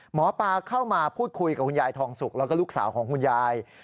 หมอปลาเข้ามาพูดคุยกับคุณยายทองสุกแล้วก็ลูกสาวของคุณยาย